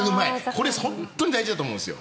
これ本当に大事だと思うんです。